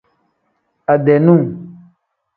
Ade num.